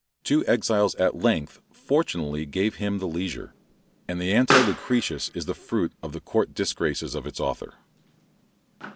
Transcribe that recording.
Two exiles at length fortunately gave him the leisure; and the Anti Lucretius is the fruit of the court disgraces of its author.